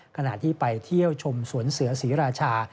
ขณะที่ไปเที่ยวชมสวนเสือศรีราชา